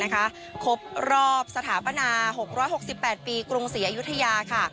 ครบรอบสถาปนา๖๖๘ปีกรุงศรีอยุธยาค่ะ